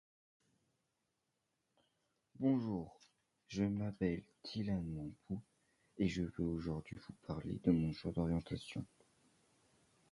Il s'y trouvait de très nombreuses toiles mythologiques et une grande variétés de nus.